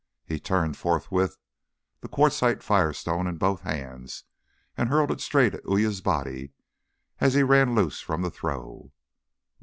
He turned forthwith, the quartzite Fire Stone in both hands, and hurled it straight at Uya's body as he ran loose from the throw.